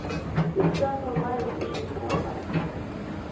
Биз грант албайбыз, эч нерсе албайбыз.